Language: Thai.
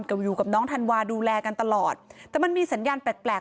ก็อยู่กับน้องธันวาดูแลกันตลอดแต่มันมีสัญญาณแปลกแปลก